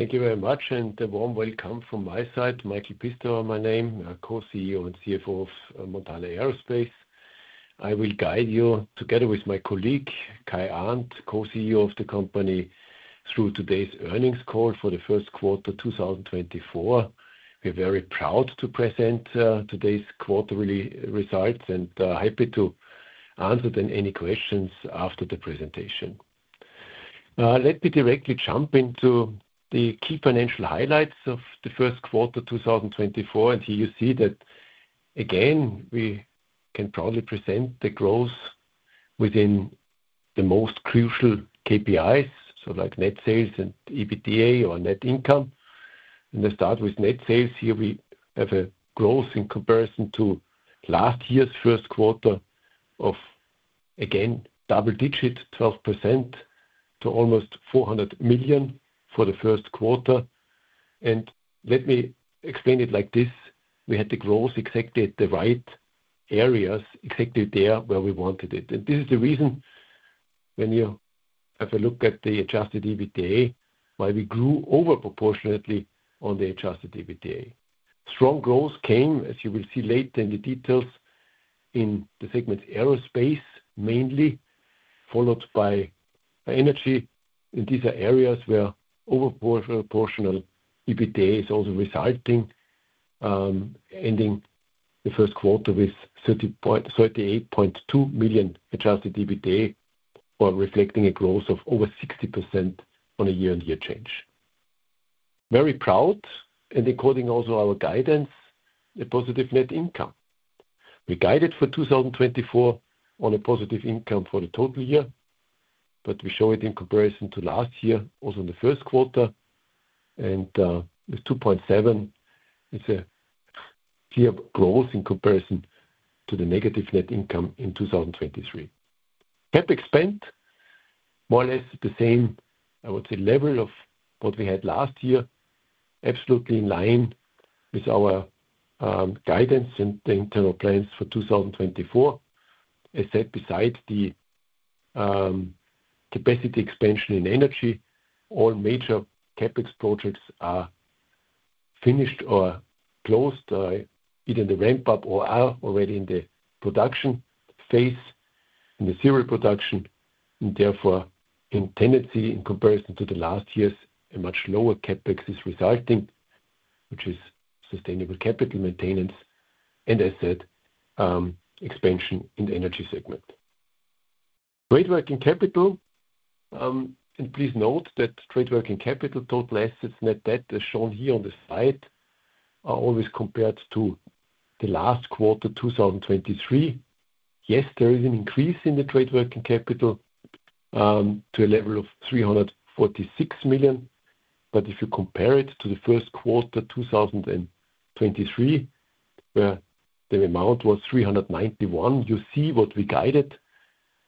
Thank you very much, and a warm welcome from my side. Michael Pistauer, my name, Co-CEO and CFO of Montana Aerospace. I will guide you, together with my colleague, Kai Arndt, Co-CEO of the company, through today's Earnings Call for the First Quarter, 2024. We're very proud to present, today's quarterly results, and, happy to answer then any questions after the presentation. Let me directly jump into the key financial highlights of the first quarter, 2024. And here you see that, again, we can proudly present the growth within the most crucial KPIs, so like net sales and EBITDA or net income. Let's start with net sales. Here we have a growth in comparison to last year's first quarter of, again, double digits, 12% to almost 400 million for the first quarter. Let me explain it like this: we had the growth exactly at the right areas, exactly there where we wanted it. This is the reason when you have a look at the Adjusted EBITDA, why we grew over proportionately on the Adjusted EBITDA. Strong growth came, as you will see later in the details, in the segment aerospace, mainly, followed by energy. And these are areas where overproportional EBITDA is also resulting, ending the first quarter with 38.2 million Adjusted EBITDA, while reflecting a growth of over 60% on a year-on-year change. Very proud, and according also our guidance, a positive net income. We guided for 2024 on a positive income for the total year, but we show it in comparison to last year, also in the first quarter. With 2.7, it's a clear growth in comparison to the negative Net Income in 2023. CapEx spend, more or less the same, I would say, level of what we had last year. Absolutely in line with our guidance and the internal plans for 2024. As said, besides the capacity expansion in energy, all major CapEx projects are finished or closed, either in the ramp-up or are already in the production phase, in the serial production, and therefore, in tendency, in comparison to the last year's, a much lower CapEx is resulting, which is sustainable capital maintenance and, as said, expansion in the energy segment. Trade Working Capital, and please note that Trade Working Capital, total assets, Net Debt, as shown here on the slide, are always compared to the last quarter, 2023. Yes, there is an increase in the Trade Working Capital to a level of 346 million, but if you compare it to the first quarter 2023, where the amount was 391 million, you see what we guided.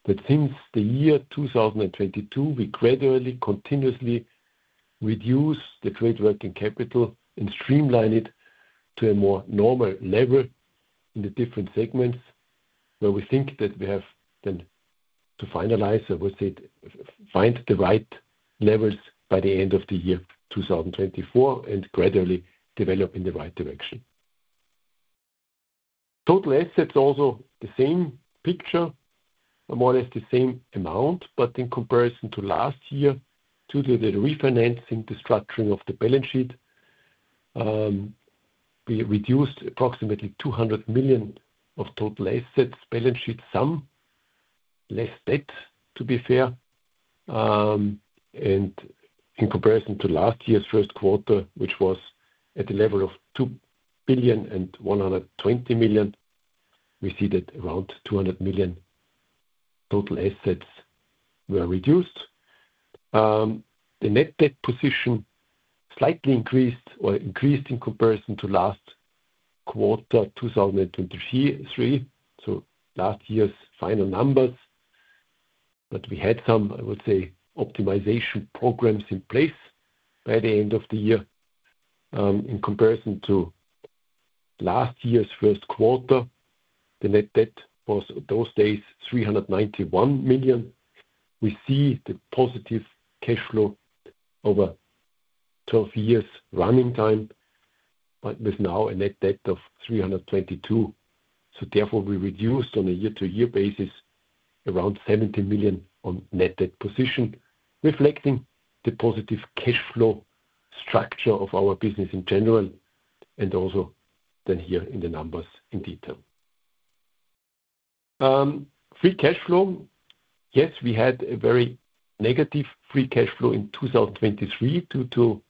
That since the year 2022, we gradually, continuously reduce the Trade Working Capital and streamline it to a more normal level in the different segments, where we think that we have then to finalize, I would say, find the right levels by the end of the year 2024, and gradually develop in the right direction. Total assets, also the same picture, more or less the same amount, but in comparison to last year, due to the refinancing, the structuring of the balance sheet, we reduced approximately 200 million of total assets, balance sheet sum, less debt, to be fair. And in comparison to last year's first quarter, which was at the level of 2.12 billion, we see that around 200 million total assets were reduced. The net debt position slightly increased or increased in comparison to last quarter, 2023. So last year's final numbers. But we had some, I would say, optimization programs in place by the end of the year. In comparison to last year's first quarter, the net debt was, those days, 391 million. We see the positive cash flow over 12 years running time, but with now a net debt of 322 million. So therefore, we reduced on a year-to-year basis, around 70 million on net debt position, reflecting the positive cash flow structure of our business in general, and also then here in the numbers in detail. Free cash flow. Yes, we had a very negative free cash flow in 2023 due to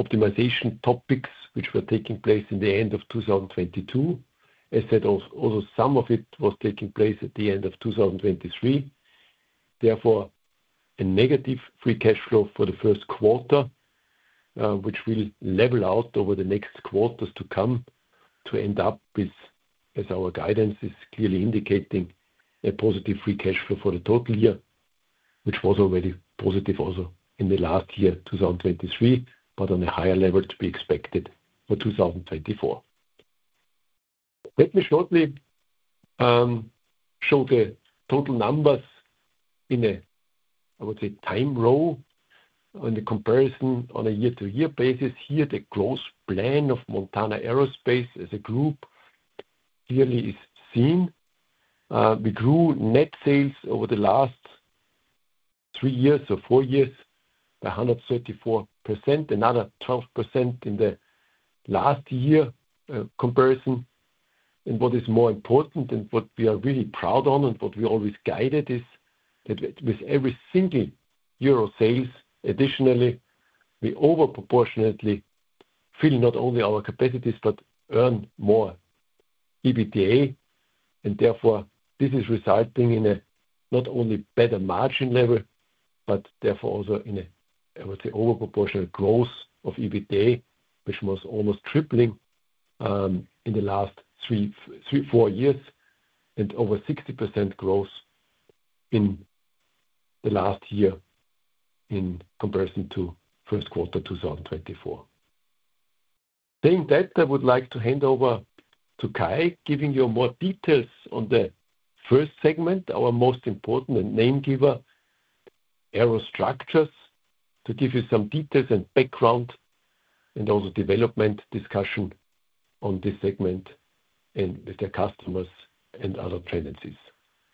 optimization topics which were taking place in the end of 2022. As said, also, some of it was taking place at the end of 2023. Therefore, a negative Free Cash Flow for the first quarter, which will level out over the next quarters to come to end up with, as our guidance is clearly indicating, a positive Free Cash Flow for the total year, which was already positive also in the last year, 2023, but on a higher level to be expected for 2024.... Let me shortly show the total numbers in a, I would say, time row. On the comparison on a year-to-year basis, here, the growth plan of Montana Aerospace as a group clearly is seen. We grew Net Sales over the last three years or four years, by 134%, another 12% in the last year, comparison. What is more important, and what we are really proud on, and what we always guided, is that with every single euro sales, additionally, we over proportionately fill not only our capacities, but earn more EBITDA. And therefore, this is resulting in a not only better margin level, but therefore also in a, I would say, over proportional growth of EBITDA, which was almost tripling in the last three, four years, and over 60% growth in the last year in comparison to first quarter 2024. Saying that, I would like to hand over to Kai, giving you more details on the first segment, our most important and name giver, Aerostructures, to give you some details and background and also development discussion on this segment and with their customers and other tendencies.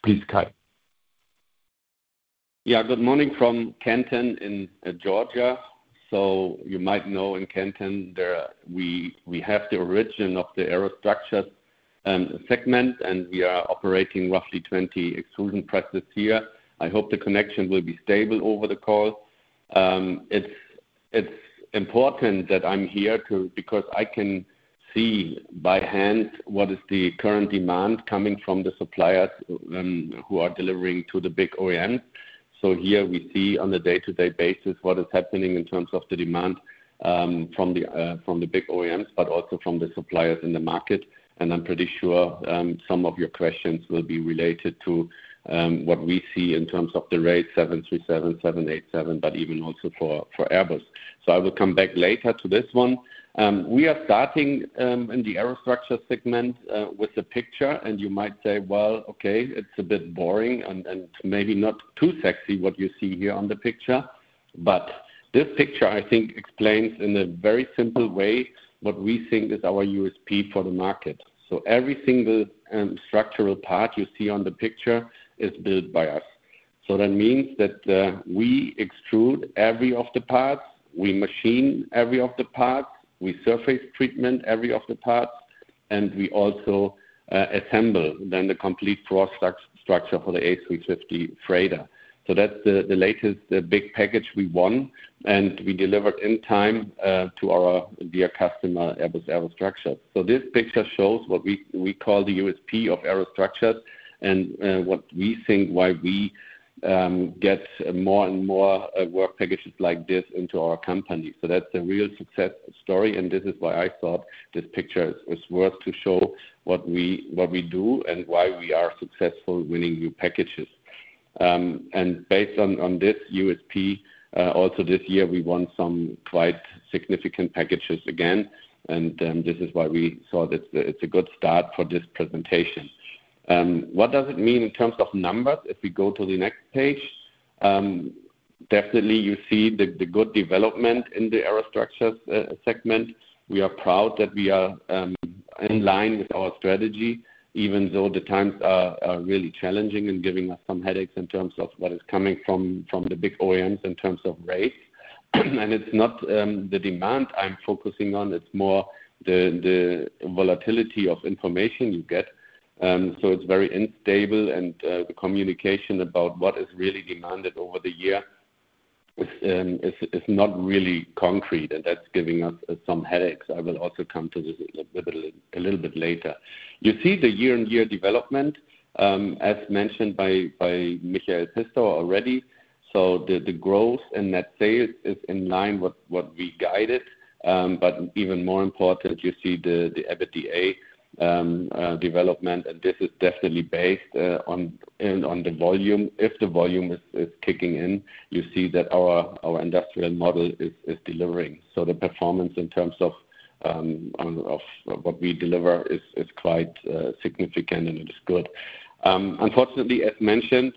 Please, Kai. Yeah, good morning from Canton in Georgia. So you might know in Canton, we have the origin of the Aerostructures segment, and we are operating roughly 20 extrusion presses here. I hope the connection will be stable over the call. It's important that I'm here because I can see by hand what is the current demand coming from the suppliers, who are delivering to the big OEM. So here we see on a day-to-day basis, what is happening in terms of the demand, from the big OEMs, but also from the suppliers in the market. And I'm pretty sure, some of your questions will be related to, what we see in terms of the rate 737, 787, but even also for Airbus. So I will come back later to this one. We are starting in the Aerostructures segment with a picture, and you might say, "Well, okay, it's a bit boring and maybe not too sexy what you see here on the picture." But this picture, I think, explains in a very simple way what we think is our USP for the market. So every single structural part you see on the picture is built by us. So that means that we extrude every of the parts, we machine every of the parts, we surface treatment every of the parts, and we also assemble then the complete floor structure for the A350 freighter. So that's the latest, the big package we won, and we delivered in time to our dear customer, Airbus Aerostructures. So this picture shows what we call the USP of Aerostructures, and what we think why we get more and more work packages like this into our company. So that's a real success story, and this is why I thought this picture is worth to show what we do and why we are successful winning new packages. And based on this USP, also this year, we won some quite significant packages again, and this is why we thought it's a good start for this presentation. What does it mean in terms of numbers? If we go to the next page. Definitely, you see the good development in the Aerostructures segment. We are proud that we are in line with our strategy, even though the times are really challenging and giving us some headaches in terms of what is coming from the big OEMs in terms of rate. And it's not the demand I'm focusing on, it's more the volatility of information you get. So it's very unstable, and the communication about what is really demanded over the year is not really concrete, and that's giving us some headaches. I will also come to this a little bit later. You see the year-on-year development, as mentioned by Michael Pistauer already. So the growth in net sales is in line with what we guided, but even more important, you see the EBITDA development, and this is definitely based on the volume. If the volume is kicking in, you see that our industrial model is delivering. So the performance in terms of what we deliver is quite significant and it is good. Unfortunately, as mentioned,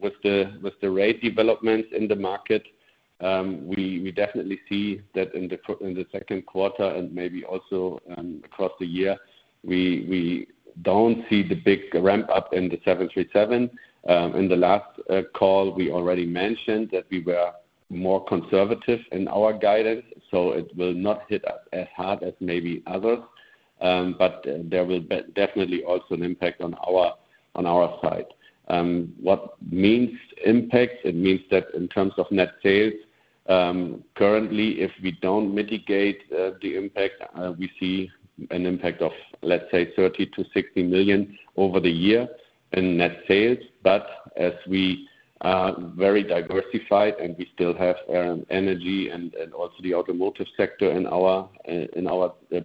with the rate developments in the market, we definitely see that in the second quarter and maybe also across the year, we don't see the big ramp up in the 737. In the last call, we already mentioned that we were more conservative in our guidance, so it will not hit us as hard as maybe others, but there will be definitely also an impact on our side. What means impact? It means that in terms of Net Sales, currently, if we don't mitigate the impact, we see an impact of, let's say, 30 million-60 million over the year in Net Sales. But as we are very diversified and we still have energy and also the automotive sector in our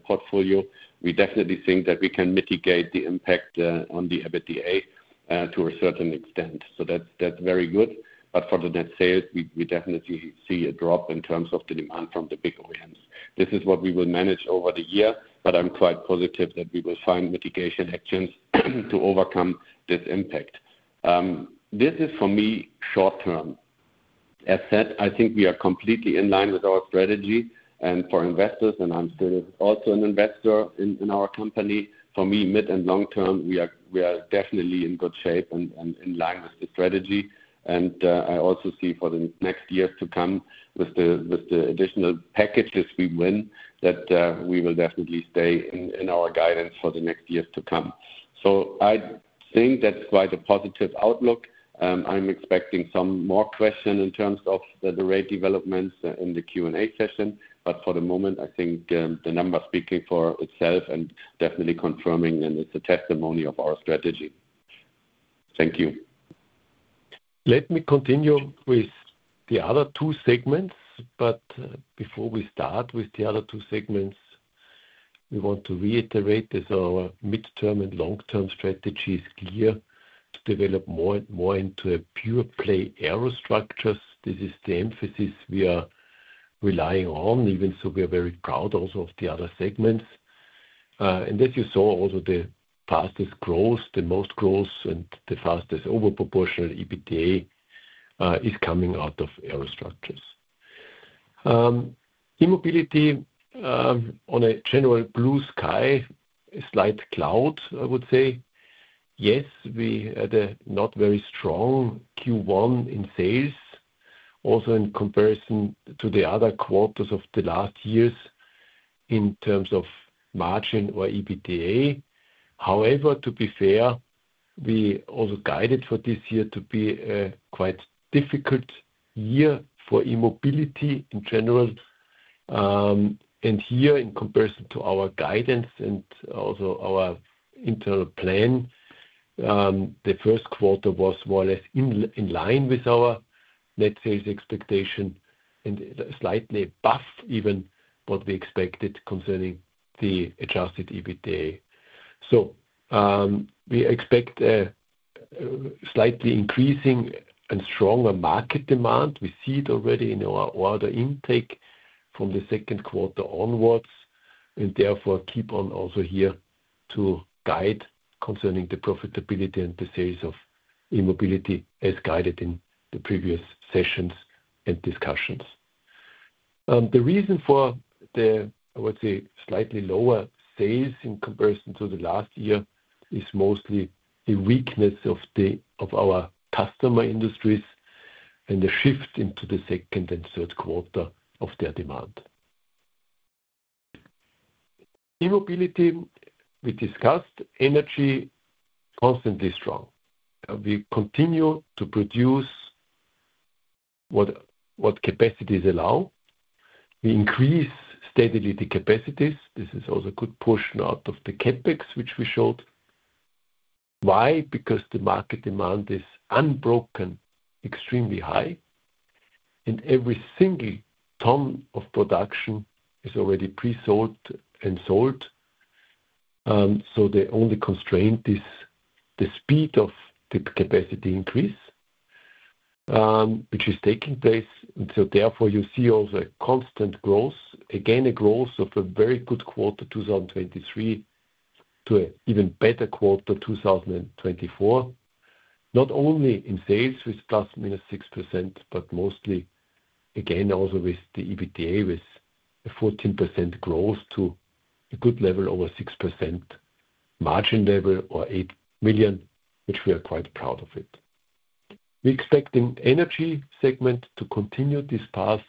portfolio, we definitely think that we can mitigate the impact on the EBITDA to a certain extent. So that's very good. But for the Net Sales, we definitely see a drop in terms of the demand from the big OEMs. This is what we will manage over the year, but I'm quite positive that we will find mitigation actions to overcome this impact. This is, for me, short term. As said, I think we are completely in line with our strategy and for investors, and I'm still also an investor in, in our company. For me, mid and long term, we are, we are definitely in good shape and, and in line with the strategy. And, I also see for the next years to come, with the, with the additional packages we win, that, we will definitely stay in, in our guidance for the next years to come. So I think that's quite a positive outlook. I'm expecting some more question in terms of the rate developments in the Q&A session, but for the moment, I think, the numbers speaking for itself and definitely confirming, and it's a testimony of our strategy. Thank you. Let me continue with the other two segments, but before we start with the other two segments, we want to reiterate that our midterm and long-term strategy is clear, to develop more and more into a pure-play Aerostructures. This is the emphasis we are relying on. Even so, we are very proud also of the other segments. And as you saw, also the fastest growth, the most growth, and the fastest over proportional EBITDA is coming out of Aerostructures. E-Mobility, on a general blue sky, a slight cloud, I would say. Yes, we had a not very strong Q1 in sales, also in comparison to the other quarters of the last years in terms of margin or EBITDA. However, to be fair, we also guided for this year to be a quite difficult year for E-Mobility in general. And here, in comparison to our guidance and also our internal plan, the first quarter was more or less in line with our net sales expectation, and slightly above even what we expected concerning the Adjusted EBITDA. So, we expect slightly increasing and stronger market demand. We see it already in our order intake from the second quarter onwards, and therefore, keep on also here to guide concerning the profitability and the sales of E-Mobility as guided in the previous sessions and discussions. The reason for the, I would say, slightly lower sales in comparison to the last year is mostly the weakness of our customer industries and the shift into the second and third quarter of their demand. E-Mobility, we discussed. Energy, constantly strong. We continue to produce what capacities allow. We increase steadily the capacities. This is also a good portion out of the CapEx, which we showed. Why? Because the market demand is unbroken, extremely high, and every single ton of production is already pre-sold and sold. So the only constraint is the speed of the capacity increase, which is taking place. So therefore, you see also a constant growth. Again, a growth of a very good quarter 2023 to an even better quarter 2024. Not only in sales with ±6%, but mostly again, also with the EBITDA, with a 14% growth to a good level, over 6% margin level or 8 million, which we are quite proud of it. We're expecting Energy segment to continue this path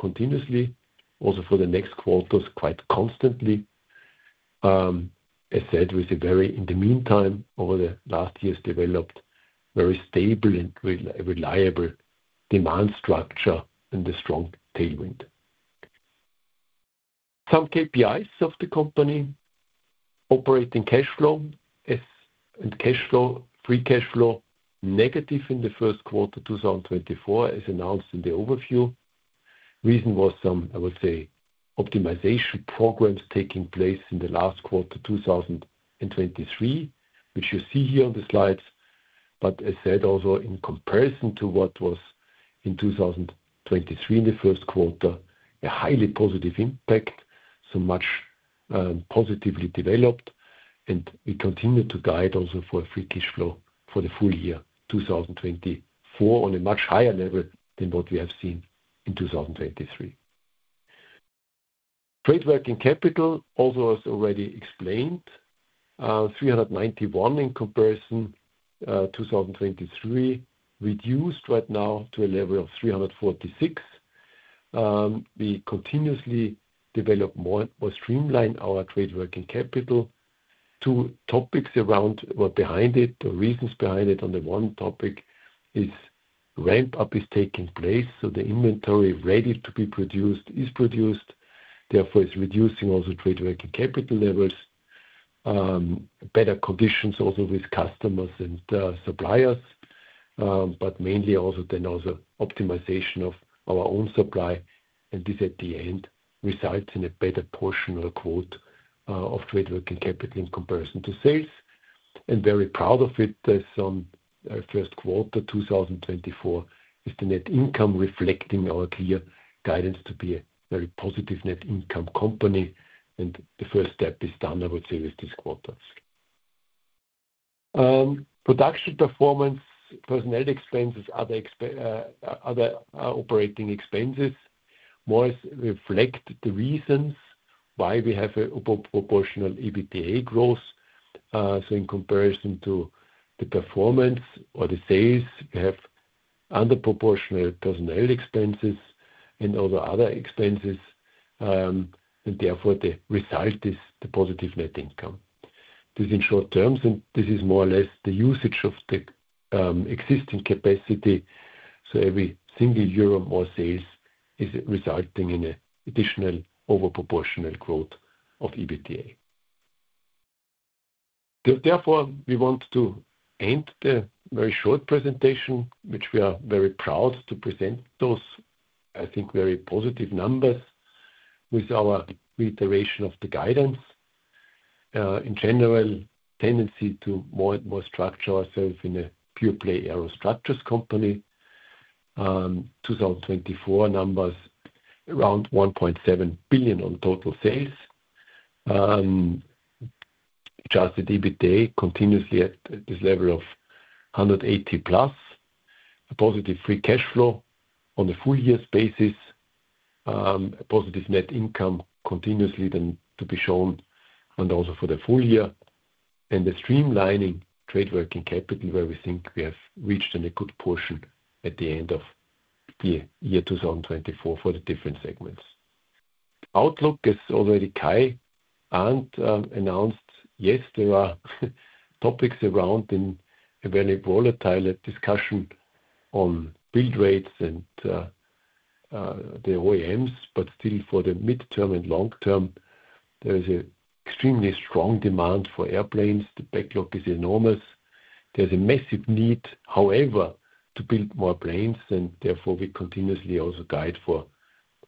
continuously, also for the next quarters, quite constantly. As said, in the meantime, over the last years, developed very stable and reliable demand structure and a strong tailwind. Some KPIs of the company. Operating cash flow and free cash flow negative in the first quarter 2024, as announced in the overview. Reason was some, I would say, optimization programs taking place in the last quarter 2023, which you see here on the slides. But as said, also in comparison to what was in 2023, in the first quarter, a highly positive impact, so much positively developed. And we continue to guide also for a free cash flow for the full year 2024, on a much higher level than what we have seen in 2023. Trade Working Capital, also as already explained, 391 in comparison, 2023, reduced right now to a level of 346. We continuously develop more or streamline our Trade Working Capital. Two topics around or behind it, the reasons behind it, on the one topic is ramp up is taking place, so the inventory ready to be produced is produced, therefore, it's reducing also Trade Working Capital levels. Better conditions also with customers and, suppliers, but mainly also then also optimization of our own supply, and this at the end, results in a better portion of the quote, of Trade Working Capital in comparison to sales. and very proud of it, as in our first quarter 2024, with the net income reflecting our clear guidance to be a very positive net income company, and the first step is done, I would say, with this quarter. Production performance, personnel expenses, other operating expenses more reflect the reasons why we have a proportional EBITDA growth. So in comparison to the performance or the sales, we have under proportional personnel expenses and all the other expenses, and therefore, the result is the positive net income. This in short terms, and this is more or less the usage of the existing capacity, so every single euro more sales is resulting in an additional over proportional growth of EBITDA. Therefore, we want to end the very short presentation, which we are very proud to present those, I think, very positive numbers with our reiteration of the guidance. In general, tendency to more and more structure ourselves in a pure-play aerostructures company. 2024 numbers around 1.7 billion on total sales. Adjusted EBITDA continuously at this level of 180+ million, a positive Free Cash Flow on the full year basis, a positive Net Income continuously then to be shown and also for the full year, and the streamlining Trade Working Capital, where we think we have reached in a good portion at the end of 2024 for the different segments. Outlook is already high, and announced, yes, there are topics around in a very volatile discussion on build rates and the OEMs, but still for the midterm and long term, there is a extremely strong demand for airplanes. The backlog is enormous. There's a massive need, however, to build more planes, and therefore we continuously also guide for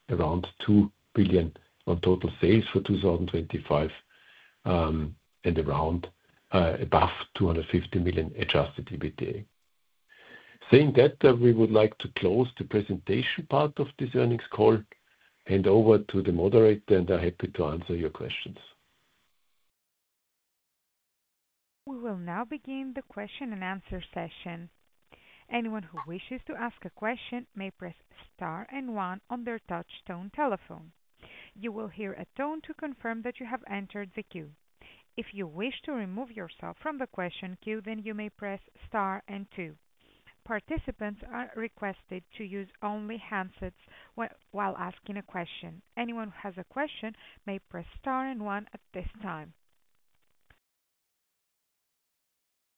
around 2 billion on total sales for 2025, and around above 250 million Adjusted EBITDA. Saying that, we would like to close the presentation part of this earnings call and over to the moderator, and I'm happy to answer your questions. We will now begin the question-and-answer session. Anyone who wishes to ask a question may press star and one on their touch tone telephone. You will hear a tone to confirm that you have entered the queue. If you wish to remove yourself from the question queue, then you may press star and two. Participants are requested to use only handsets while asking a question. Anyone who has a question may press star and one at this time.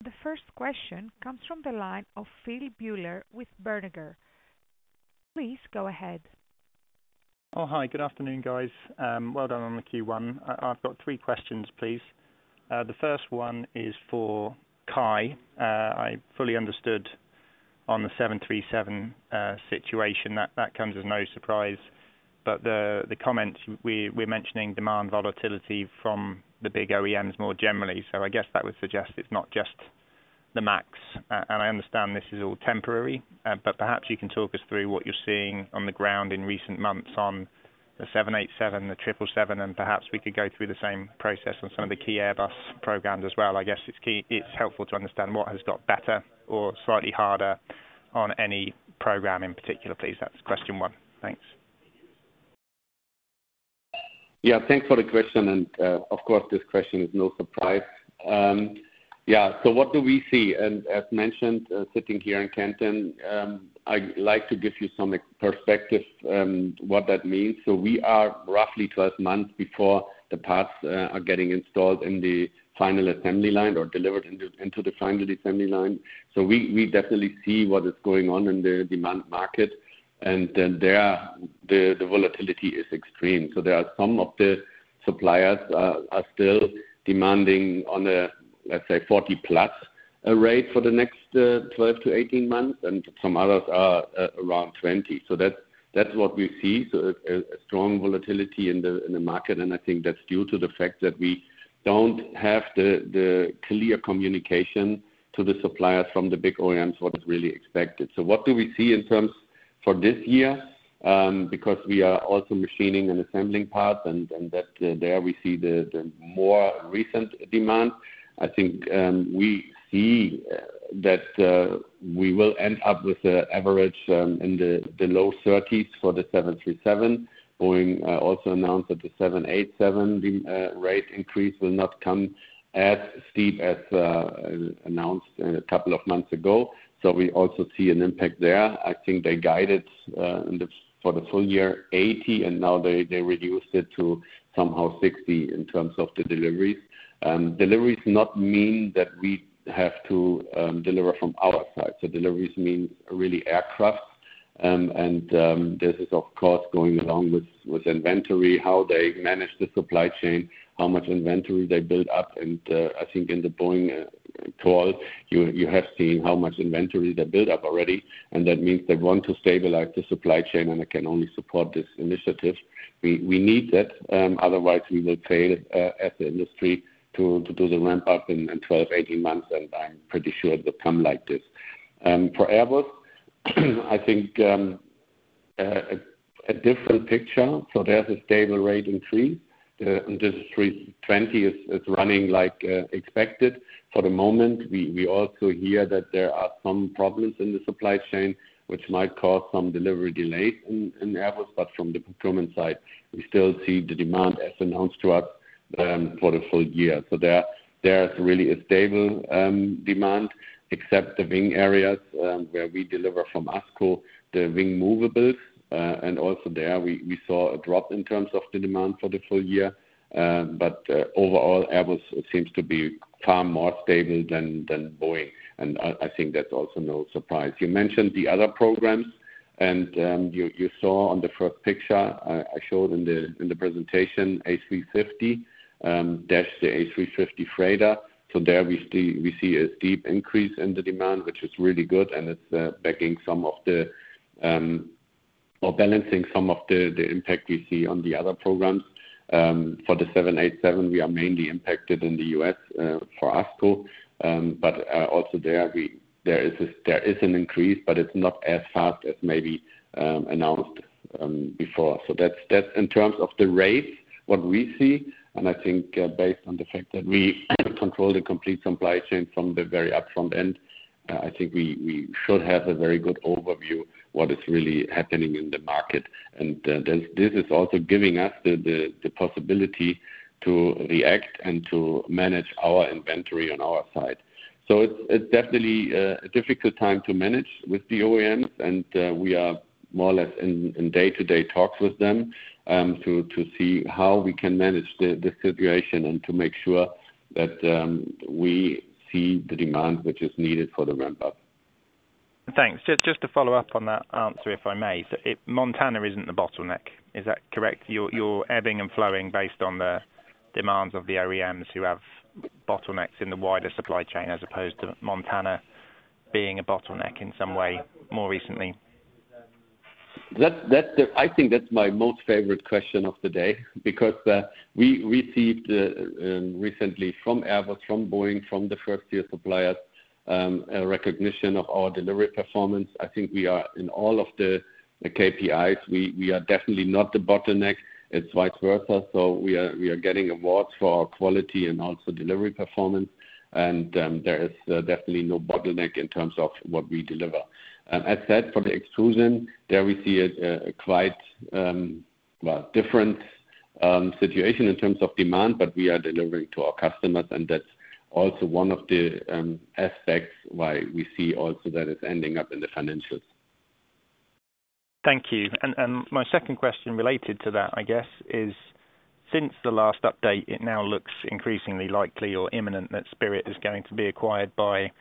The first question comes from the line of Phil Buller with Berenberg. Please, go ahead. Oh, hi, good afternoon, guys. Well done on the Q1. I've got three questions, please. The first one is for Kai. I fully understood on the 737 situation, that, that comes as no surprise, but the, the comments we're mentioning demand volatility from the big OEMs more generally. So I guess that would suggest it's not just the MAX. And I understand this is all temporary, but perhaps you can talk us through what you're seeing on the ground in recent months on the 787, the 777, and perhaps we could go through the same process on some of the key Airbus programs as well. I guess it's key—it's helpful to understand what has got better or slightly harder on any program in particular, please. That's question one. Thanks. Yeah, thanks for the question, and of course, this question is no surprise. Yeah, so what do we see? And as mentioned, sitting here in Canton, I'd like to give you some perspective what that means. So we are roughly 12 months before the parts are getting installed in the final assembly line or delivered into the final assembly line. So we definitely see what is going on in the demand market, and then the volatility is extreme. So there are some of the suppliers are still demanding on a, let's say, 40+ rate for the next 12-18 months, and some others are around 20. So that's what we see, a strong volatility in the market, and I think that's due to the fact that we don't have the clear communication to the suppliers from the big OEMs, what is really expected. So what do we see in terms for this year? Because we are also machining and assembling parts, and that there we see the more recent demand. I think we see that we will end up with an average in the low 30s for the 737. Boeing also announced that the 787 rate increase will not come as steep as announced a couple of months ago, so we also see an impact there. I think they guided in the for the full year, 80, and now they, they reduced it to somehow 60 in terms of the deliveries. Deliveries not mean that we have to deliver from our side. So deliveries means really aircraft, and this is, of course, going along with inventory, how they manage the supply chain, how much inventory they build up, and I think in the Boeing call, you, you have seen how much inventory they built up already, and that means they want to stabilize the supply chain, and I can only support this initiative. We, we need that, otherwise we will fail at the industry to do the ramp up in 12, 18 months, and I'm pretty sure it will come like this. For Airbus... I think a different picture. So there's a stable rate in A320. The, this A320 is, is running like, expected. For the moment, we, we also hear that there are some problems in the supply chain, which might cause some delivery delays in, in Airbus. But from the procurement side, we still see the demand as announced to us, for the full year. So there, there's really a stable, demand, except the wing areas, where we deliver from ASCO, the wing movables. And also there, we, we saw a drop in terms of the demand for the full year. But, overall, Airbus seems to be far more stable than, than Boeing, and I, I think that's also no surprise. You mentioned the other programs, and, you, you saw on the first picture I, I showed in the, in the presentation, A350, that's the A350 freighter. So there we see, we see a steep increase in the demand, which is really good, and it's backing some of the or balancing some of the, the impact we see on the other programs. For the 787, we are mainly impacted in the US, for ASCO. But also there, there is an increase, but it's not as fast as maybe announced before. So that's in terms of the rate, what we see, and I think based on the fact that we control the complete supply chain from the very upfront end, I think we should have a very good overview what is really happening in the market. And then, this is also giving us the possibility to react and to manage our inventory on our side. So it's definitely a difficult time to manage with the OEMs, and we are more or less in day-to-day talks with them to see how we can manage the situation and to make sure that we see the demand which is needed for the ramp up. Thanks. Just to follow up on that answer, if I may. So it... Montana isn't the bottleneck, is that correct? You're ebbing and flowing based on the demands of the OEMs who have bottlenecks in the wider supply chain, as opposed to Montana being a bottleneck in some way more recently. That's, that's-- I think that's my most favorite question of the day. Because we received recently from Airbus, from Boeing, from the first-tier suppliers a recognition of our delivery performance. I think we are in all of the KPIs. We are definitely not the bottleneck. It's vice versa. So we are getting awards for our quality and also delivery performance, and there is definitely no bottleneck in terms of what we deliver. As said, for the extrusion, there we see a quite well different situation in terms of demand, but we are delivering to our customers, and that's also one of the aspects why we see also that it's ending up in the financials. Thank you. And my second question related to that, I guess, is: Since the last update, it now looks increasingly likely or imminent that Spirit is going to be acquired by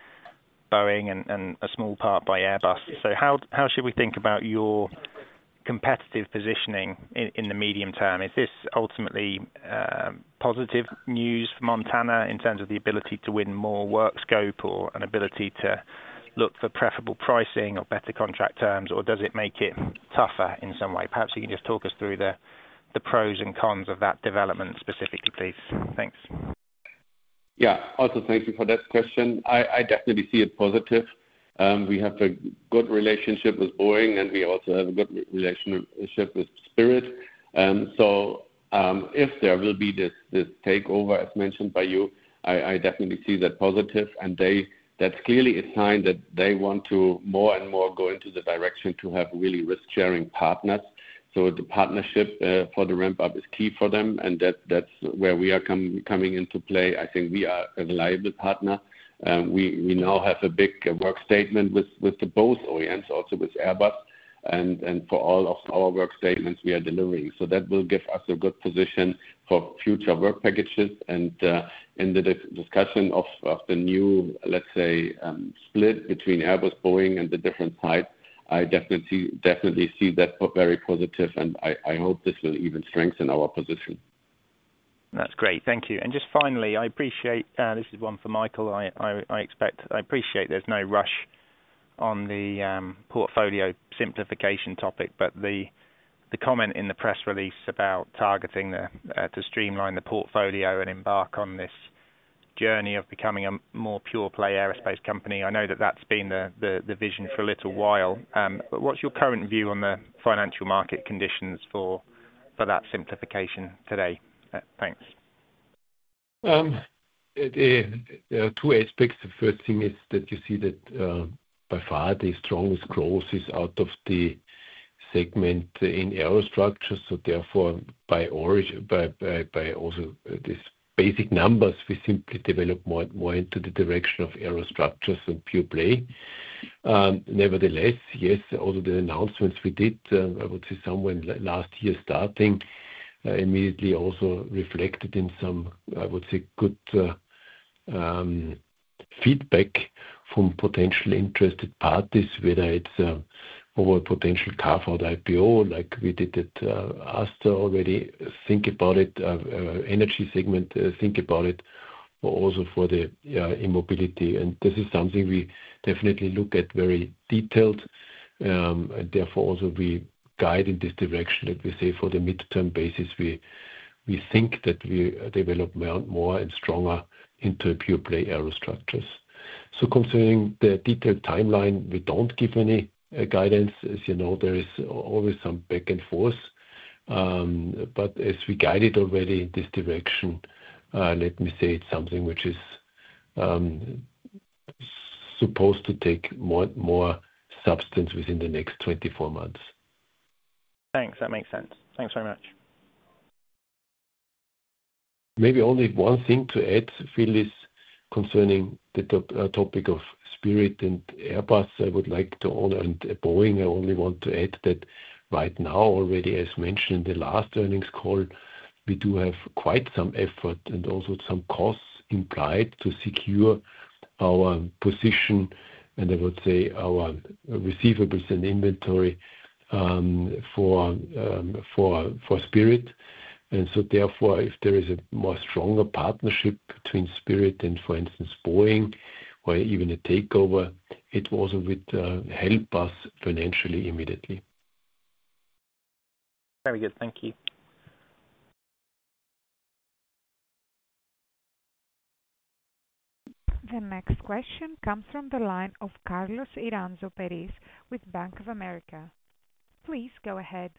Boeing and a small part by Airbus. So how should we think about your competitive positioning in the medium term? Is this ultimately positive news for Montana, in terms of the ability to win more work scope or an ability to look for preferable pricing or better contract terms? Or does it make it tougher in some way? Perhaps you can just talk us through the pros and cons of that development specifically, please. Thanks. Yeah. Also, thank you for that question. I definitely see it positive. We have a good relationship with Boeing, and we also have a good relationship with Spirit. So, if there will be this takeover, as mentioned by you, I definitely see that positive. And that's clearly a sign that they want to more and more go into the direction to have really risk-sharing partners. So the partnership for the ramp up is key for them, and that's where we are coming into play. I think we are a reliable partner. We now have a big work statement with both OEMs, also with Airbus, and for all of our work statements, we are delivering. So that will give us a good position for future work packages. In the discussion of the new, let's say, split between Airbus, Boeing, and the different sides, I definitely, definitely see that very positive, and I hope this will even strengthen our position. That's great. Thank you. And just finally, I appreciate this is one for Michael. I appreciate there's no rush on the portfolio simplification topic, but the comment in the press release about targeting to streamline the portfolio and embark on this journey of becoming a more pure play aerospace company. I know that that's been the vision for a little while. But what's your current view on the financial market conditions for that simplification today? Thanks. There are two aspects. The first thing is that you see that, by far, the strongest growth is out of the segment in Aerostructures. So therefore, by origin, by also these basic numbers, we simply develop more into the direction of Aerostructures as a pure-play. Nevertheless, yes, all of the announcements we did, I would say somewhere in last year starting, immediately also reflected in some, I would say, good feedback from potentially interested parties, whether it's over a potential carve-out for the IPO like we did at ASCO already. Think about it, energy segment, think about it also for the E-Mobility. And this is something we definitely look at very detailed, and therefore, also we guide in this direction. Like we say, for the midterm basis, we-... We think that we develop more and stronger into a pure-play Aerostructures. So concerning the detailed timeline, we don't give any guidance. As you know, there is always some back and forth, but as we guided already in this direction, let me say it's something which is supposed to take more substance within the next 24 months. Thanks, that makes sense. Thanks very much. Maybe only one thing to add, Phil, is concerning the top topic of Spirit and Airbus. I would like to add another, and Boeing. I only want to add that right now, already, as mentioned in the last earnings call, we do have quite some effort and also some costs implied to secure our position, and I would say our receivables and inventory for Spirit. And so therefore, if there is a more stronger partnership between Spirit and, for instance, Boeing or even a takeover, it also would help us financially, immediately. Very good. Thank you. The next question comes from the line of Carlos Iranzo Pérez with Bank of America. Please go ahead.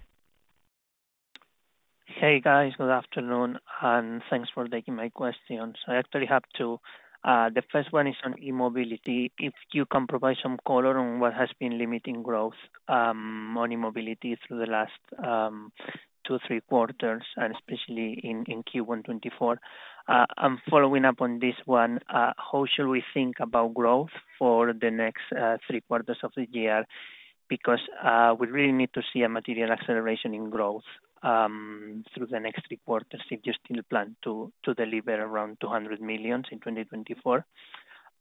Hey, guys. Good afternoon, and thanks for taking my questions. I actually have two. The first one is on e-mobility. If you can provide some color on what has been limiting growth on e-mobility through the last two, three quarters, and especially in Q1 2024. I'm following up on this one. How should we think about growth for the next three quarters of the year? Because we really need to see a material acceleration in growth through the next 3 quarters, if you still plan to deliver around 200 million in 2024.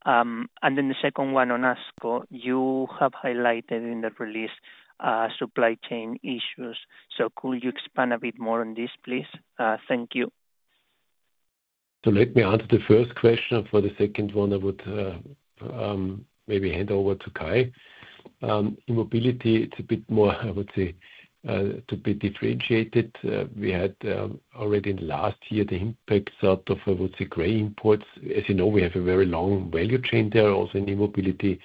And then the second one on ASCO, you have highlighted in the release supply chain issues. So could you expand a bit more on this, please? Thank you. So let me answer the first question. For the second one, I would maybe hand over to Kai. E-mobility, it's a bit more, I would say, to be differentiated. We had already in last year the impacts out of, I would say, gray imports. As you know, we have a very long value chain there. Also in e-mobility,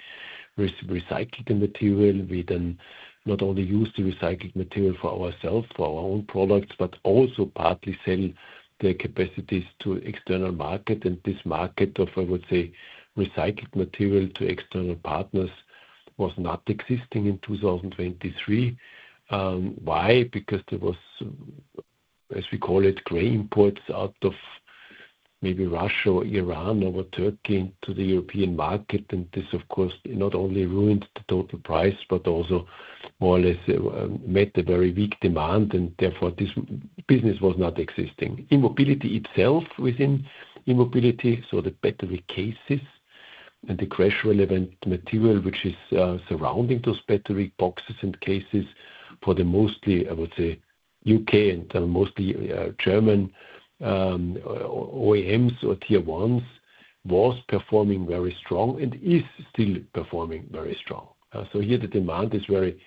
recycling the material, we then not only use the recycled material for ourselves, for our own products, but also partly sell the capacities to external market. And this market of, I would say, recycled material to external partners, was not existing in 2023. Why? Because there was, as we call it, gray imports out of maybe Russia or Iran or Turkey into the European market. This, of course, not only ruined the total price, but also more or less made a very weak demand, and therefore, this business was not existing. E-mobility itself, within e-mobility, so the battery cases and the crash-relevant material, which is surrounding those battery boxes and cases for the mostly, I would say, U.K. and mostly German OEMs or tier ones, was performing very strong and is still performing very strong. So here the demand is very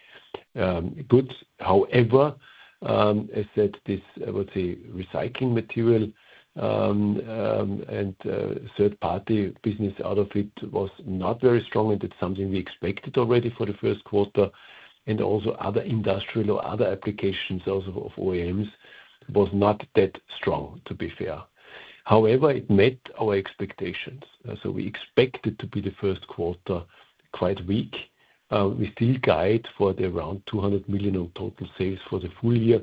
good. However, as said, this, I would say, recycling material and third-party business out of it was not very strong, and it's something we expected already for the first quarter. Also other industrial or other applications also of OEMs was not that strong, to be fair. However, it met our expectations, so we expect it to be the first quarter, quite weak. We still guide for around 200 million of total sales for the full year.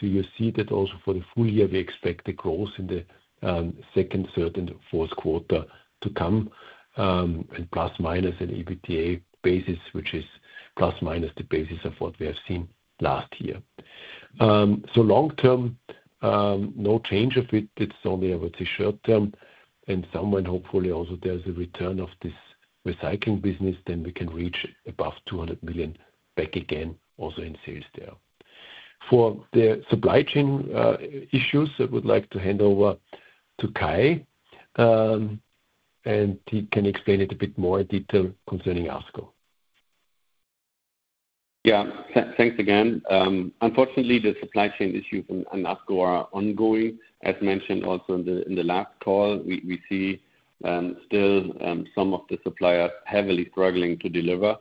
So you see that also for the full year, we expect the growth in the second, third, and fourth quarter to come, and ± on an EBITDA basis, which is ± the basis of what we have seen last year. So long term, no change of it. It's only over the short term and someone hopefully, also there's a return of this recycling business, then we can reach above 200 million back again, also in sales there. For the supply chain issues, I would like to hand over to Kai, and he can explain it a bit more in detail concerning ASCO. Yeah. Thanks again. Unfortunately, the supply chain issues on ASCO are ongoing. As mentioned also in the last call, we see still some of the suppliers heavily struggling to deliver.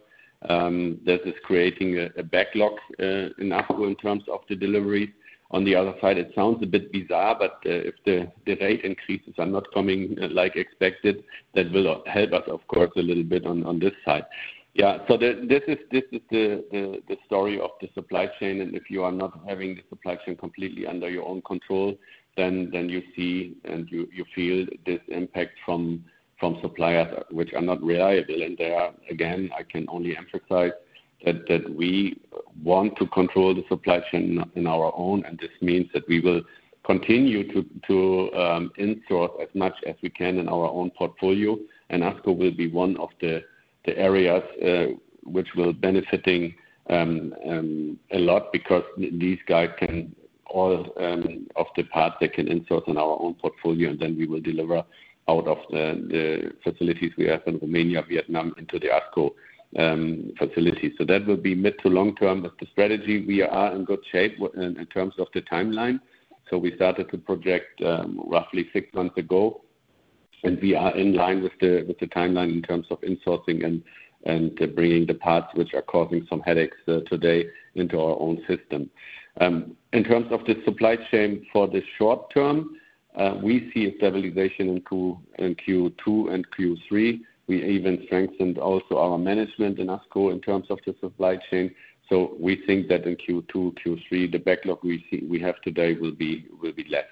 This is creating a backlog in ASCO in terms of the delivery. On the other side, it sounds a bit bizarre, but if the delay increases are not coming like expected, that will help us, of course, a little bit on this side. Yeah, so this is the story of the supply chain, and if you are not having the supply chain completely under your own control, then you see, and you feel this impact from suppliers which are not reliable. There, again, I can only emphasize that we want to control the supply chain in our own, and this means that we will continue to in-source as much as we can in our own portfolio. ASCO will be one of the areas which will benefiting a lot because these guys can all of the part they can in-source on our own portfolio, and then we will deliver out of the facilities we have in Romania, Vietnam, into the ASCO facilities. So that will be mid to long term, but the strategy, we are in good shape in terms of the timeline. So we started to project roughly six months ago. We are in line with the timeline in terms of insourcing and bringing the parts which are causing some headaches today into our own system. In terms of the supply chain for the short term, we see a stabilization in Q2 and Q3. We even strengthened also our management in ASCO in terms of the supply chain. So we think that in Q2, Q3, the backlog we see we have today will be less.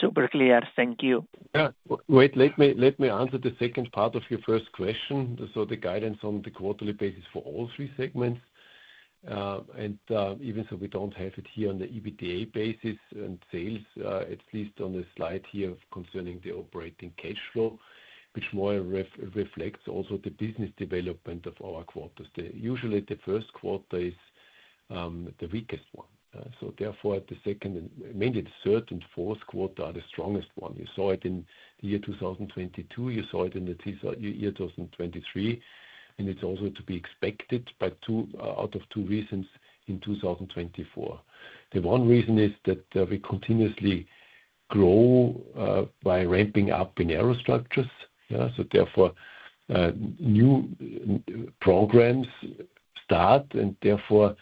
Super clear. Thank you. Yeah. Wait, let me, let me answer the second part of your first question. So the guidance on the quarterly basis for all three segments. And even so we don't have it here on the EBITDA basis and sales, at least on the slide here concerning the operating cash flow, which more reflects also the business development of our quarters. Usually, the first quarter is the weakest one. So therefore, the second and mainly the third and fourth quarter are the strongest one. You saw it in the year 2022, you saw it in the year 2023, and it's also to be expected by two out of two reasons in 2024. The one reason is that we continuously grow by ramping up in Aerostructures. So therefore, new programs start, and therefore,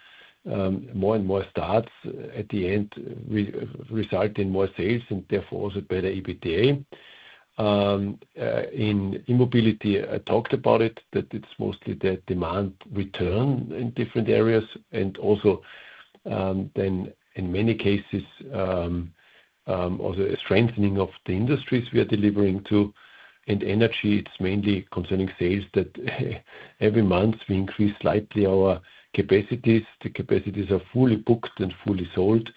more and more starts at the end result in more sales, and therefore, also better EBITDA. In mobility, I talked about it, that it's mostly the demand return in different areas, and also, then in many cases, also a strengthening of the industries we are delivering to. In energy, it's mainly concerning sales, that every month we increase slightly our capacities. The capacities are fully booked and fully sold.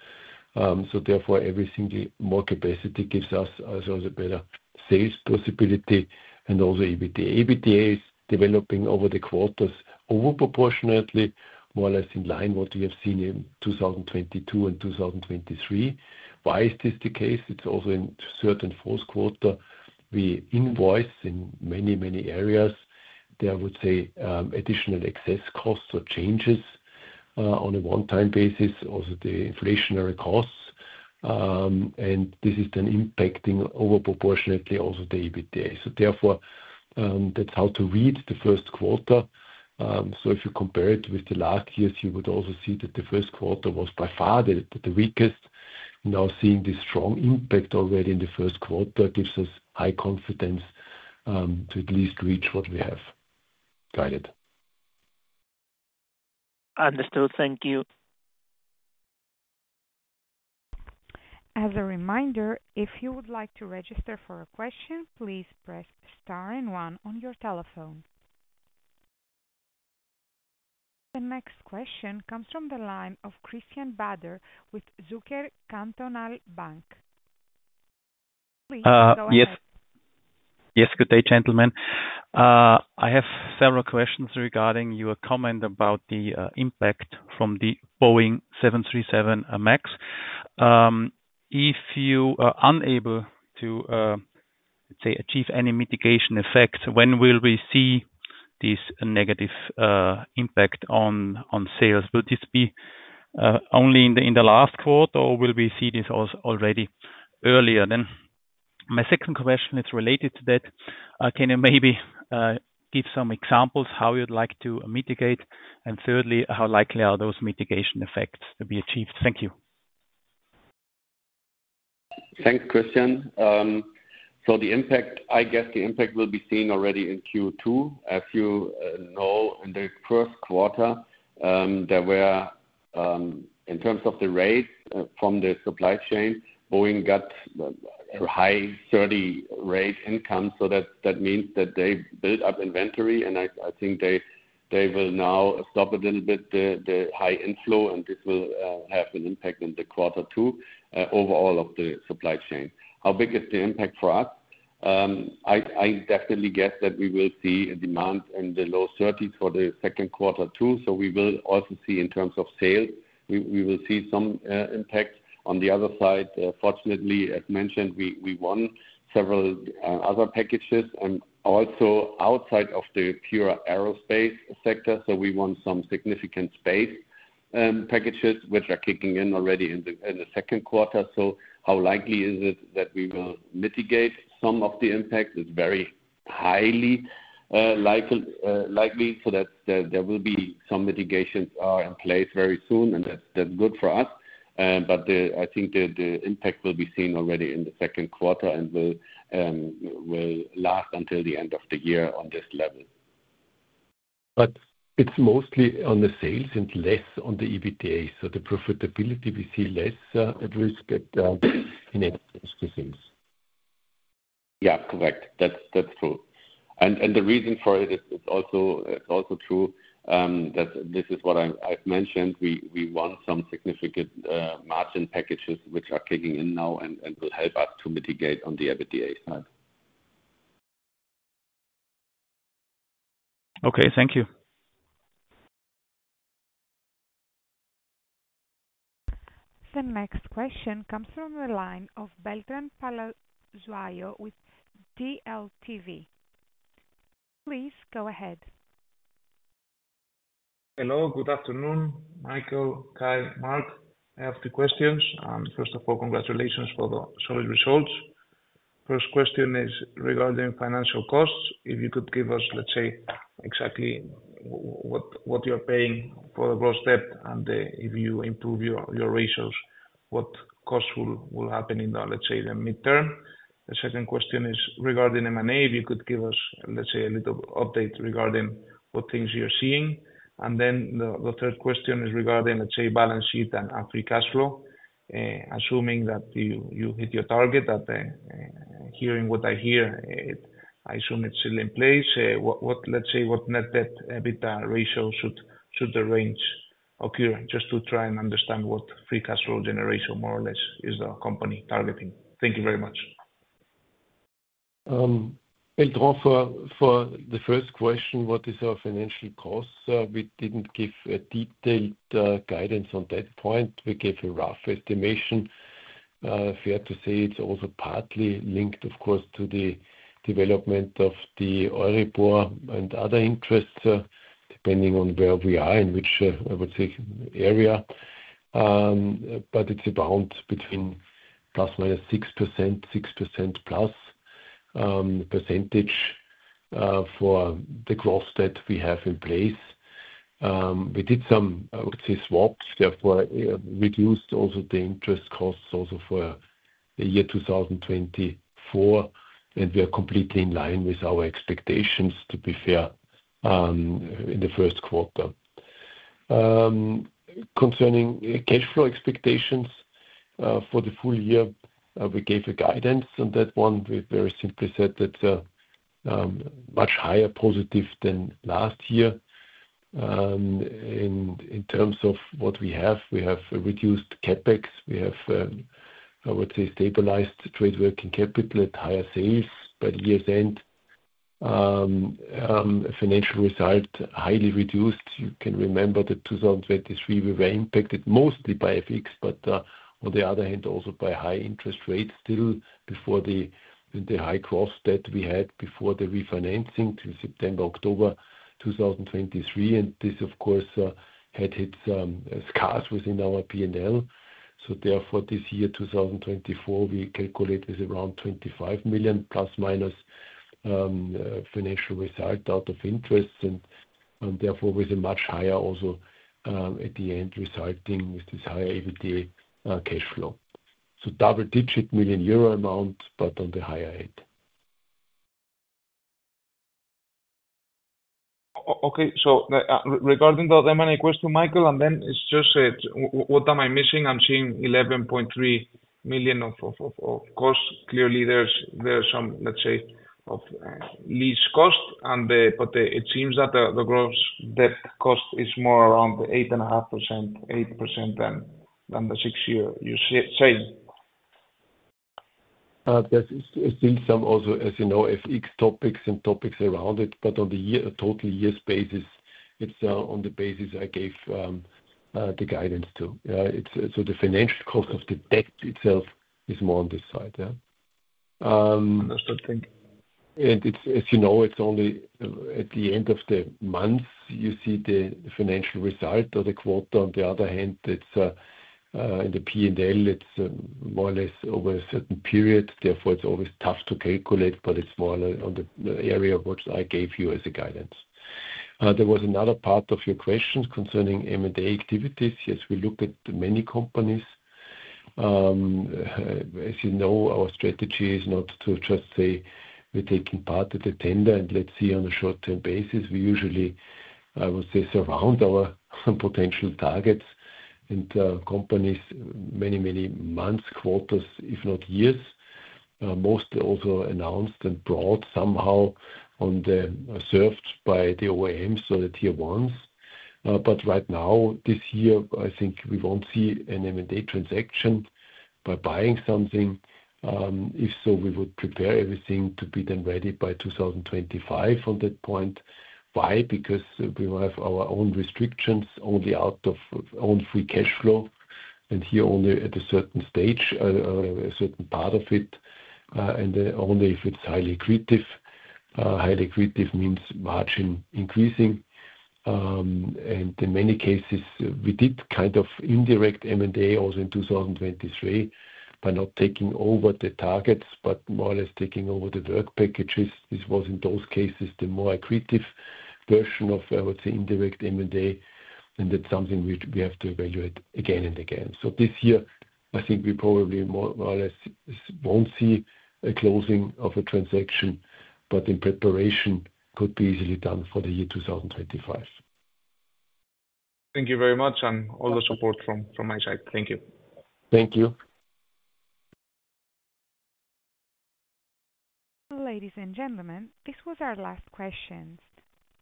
So therefore, every single more capacity gives us also a better sales possibility and also EBITDA. EBITDA is developing over the quarters, over proportionately, more or less in line what we have seen in 2022 and 2023. Why is this the case? It's also in certain fourth quarter, we invoice in many, many areas. There, I would say, additional excess costs or changes, on a one-time basis, also the inflationary costs. This is then impacting over proportionately also the EBITDA. So therefore, that's how to read the first quarter. So if you compare it with the last years, you would also see that the first quarter was by far the weakest. Now, seeing this strong impact already in the first quarter gives us high confidence, to at least reach what we have guided. Understood. Thank you. As a reminder, if you would like to register for a question, please press star and one on your telephone. The next question comes from the line of Christian Bader with Zürcher Kantonalbank. Please, go ahead. Yes. Yes, good day, gentlemen. I have several questions regarding your comment about the impact from the Boeing 737 MAX. If you are unable to, let's say, achieve any mitigation effect, when will we see this negative impact on sales? Will this be only in the last quarter, or will we see this already earlier? Then my second question is related to that. Can you maybe give some examples how you'd like to mitigate? And thirdly, how likely are those mitigation effects to be achieved? Thank you. Thanks, Christian. So the impact, I guess, the impact will be seen already in Q2. As you know, in the first quarter, there were, in terms of the rates, from the supply chain, Boeing got high 30s rate income, so that means that they built up inventory, and I think they will now stop a little bit the high inflow, and this will have an impact in quarter two, overall of the supply chain. How big is the impact for us? I definitely guess that we will see a demand in the low 30s for the second quarter, too, so we will also see in terms of sales, we will see some impact. On the other side, fortunately, as mentioned, we, we won several other packages and also outside of the pure aerospace sector, so we won some significant space packages, which are kicking in already in the second quarter. So how likely is it that we will mitigate some of the impact? It's very highly likely, likely, so that there, there will be some mitigations in place very soon, and that's, that's good for us. But the, I think the, the impact will be seen already in the second quarter and will, will last until the end of the year on this level. But it's mostly on the sales and less on the EBITDA, so the profitability, we see less, at risk, in essence to sales. Yeah, correct. That's true. And the reason for it is, it's also true that this is what I've mentioned. We want some significant margin packages, which are kicking in now and will help us to mitigate on the EBITDA side. Okay, thank you. The next question comes from the line of Beltrán Palazuelo with DLTV. Please go ahead.... Hello, good afternoon, Michael, Kai, Marc. I have two questions. First of all, congratulations for the solid results. First question is regarding financial costs. If you could give us, let's say, exactly what, what you're paying for the gross debt, and, if you improve your, your ratios, what costs will, will happen in the, let's say, the midterm? The second question is regarding M&A. If you could give us, let's say, a little update regarding what things you're seeing. And then the, the third question is regarding, let's say, balance sheet and, and free cash flow. Assuming that you, you hit your target, that, hearing what I hear, I assume it's still in place. What, what-- Let's say, what net debt, EBITDA ratio should, should the range occur? Just to try and understand what Free Cash Flow generation, more or less, is the company targeting? Thank you very much. Well, for the first question, what is our financial cost? We didn't give a detailed guidance on that point. We gave a rough estimation. Fair to say it's also partly linked, of course, to the development of the EURIBOR and other interests, depending on where we are, in which, I would say area. But it's around between ±6%, 6%+, percentage, for the growth that we have in place. We did some, I would say, swaps, therefore, reduced also the interest costs also for the year 2024, and we are completely in line with our expectations, to be fair, in the first quarter. Concerning cash flow expectations, for the full year, we gave a guidance on that one. We very simply said that, much higher positive than last year. In terms of what we have, we have reduced CapEx, we have, I would say, stabilized the trade working capital at higher sales by the year's end. Financial result, highly reduced. You can remember that 2023, we were impacted mostly by FX, but, on the other hand, also by high interest rates still before the, the high cost that we had before the refinancing to September, October 2023, and this, of course, had hit some scars within our P&L. So therefore, this year, 2024, we calculate is around 25 million±, financial result out of interest, and, and therefore, with a much higher also, at the end, resulting with this higher EBITDA, cash flow. Double-digit million EUR amount, but on the higher end. Okay. So, regarding the M&A question, Michael, and then it's just that what am I missing? I'm seeing 11.3 million of cost. Clearly, there are some, let's say, of lease cost and the—but, it seems that the gross debt cost is more around 8.5%, 8% than the 6% you're saying. There's been some also, as you know, FX topics and topics around it, but on the year - total year's basis, it's on the basis I gave, the guidance to. It's. So the financial cost of the debt itself is more on this side, yeah? Understood. Thank you. And it's, as you know, it's only at the end of the month, you see the financial result or the quarter. On the other hand, it's in the P&L, it's more or less over a certain period. Therefore, it's always tough to calculate, but it's more on the area of which I gave you as a guidance. There was another part of your question concerning M&A activities. Yes, we looked at many companies. As you know, our strategy is not to just say we're taking part at the tender and let's see on a short-term basis. We usually, I would say, surround our potential targets and companies many, many months, quarters, if not years. Most also announced and brought somehow on the served by the OEM, so the Tier 1s. But right now, this year, I think we won't see an M&A transaction by buying something. If so, we would prepare everything to be then ready by 2025 on that point. Why? Because we will have our own restrictions only out of own Free Cash Flow, and here only at a certain stage, a certain part of it, and only if it's highly accretive. Highly accretive means margin increasing. And in many cases, we did kind of indirect M&A also in 2023 by not taking over the targets, but more or less taking over the work packages. This was, in those cases, the more accretive version of, I would say, indirect M&A, and that's something we have to evaluate again and again. This year, I think we probably more or less won't see a closing of a transaction, but in preparation, could be easily done for the year 2025. Thank you very much, and all the support from my side. Thank you. Thank you. Ladies, and gentlemen, this was our last questions.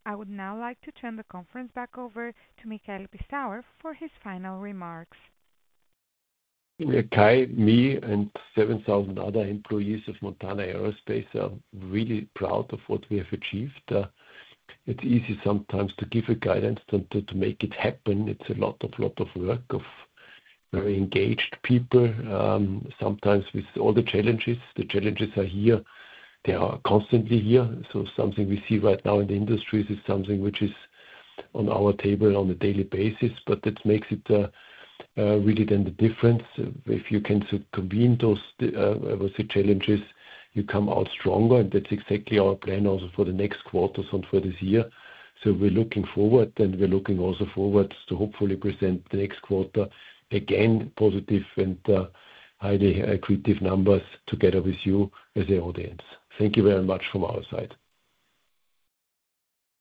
I would now like to turn the conference back over to Michael Pistauer for his final remarks. Yeah, Kai, me, and 7,000 other employees of Montana Aerospace are really proud of what we have achieved. It's easy sometimes to give a guidance than to make it happen. It's a lot of work of very engaged people, sometimes with all the challenges. The challenges are here. They are constantly here. So something we see right now in the industry is something which is on our table on a daily basis, but that makes it really then the difference. If you can convene those, I would say, challenges, you come out stronger, and that's exactly our plan also for the next quarters and for this year. So we're looking forward, and we're looking also forward to hopefully present the next quarter, again, positive and highly accretive numbers together with you as the audience. Thank you very much from our side.